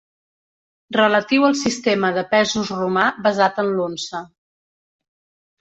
Relatiu al sistema de pesos romà basat en l'unça.